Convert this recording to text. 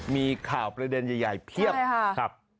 มีข่าวประเด็นใหญ่เพียบครับ